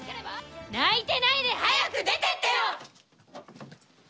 泣いてないで早く出てってよ！